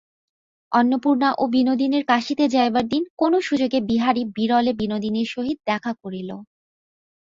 অন্নপূর্ণা ও বিনোদিনীর কাশীতে যাইবার দিন কোনো সুযোগে বিহারী বিরলে বিনোদিনীর সহিত দেখা করিল।